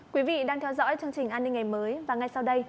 quý vị đang theo dõi chương trình an ninh ngày mới và ngay sau đây